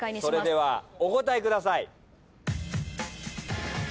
それではお答えください。